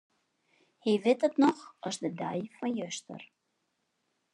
Hy wit it noch as de dei fan juster.